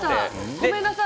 ごめんなさい。